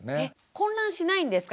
混乱しないんですか？